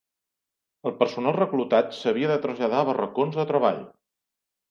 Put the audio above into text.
El personal reclutat s'havia de traslladar a barracons de treball.